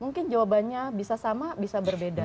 mungkin jawabannya bisa sama bisa berbeda